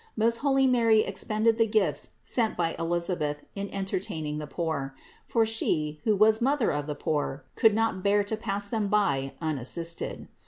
Most holy Mary expended the presents sent by Elisabeth in entertaining the poor; for She, who was Mother of the poor, could not bear to pass them by unassisted.